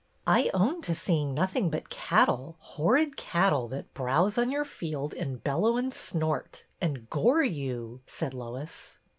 '' I own to seeing nothing but cattle, horrid cattle, that browse on your field and bellow and snort and — gore you," said Lois.